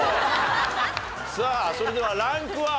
さあそれではランクは？